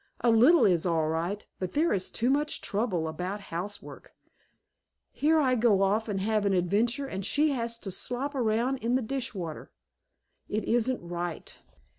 A little is all right, but there is too much trouble about housework. Here I go off and have an adventure and she has to slop around in dishwater. It isn't right!"